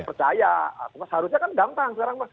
percaya harusnya kan gampang